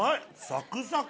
サクサク。